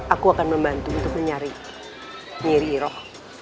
aku akan membantu untuk mencari nyeri iroh